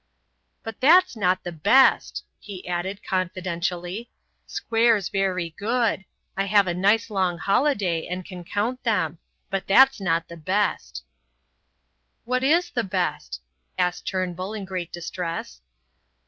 "But that's not the best," he added, confidentially. "Squares very good; I have a nice long holiday, and can count them. But that's not the best." "What is the best?" asked Turnbull in great distress.